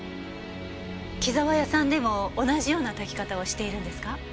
紀澤屋さんでも同じようなたき方をしているんですか？